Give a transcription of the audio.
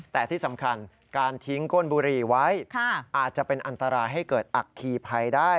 แต่ที่สำคัญการทิ้งก้นบุหรี่ไว้อาจจะเป็นอันตรายให้เกิดอัคคีภัยได้